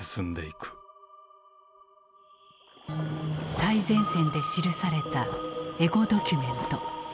最前線で記されたエゴドキュメント。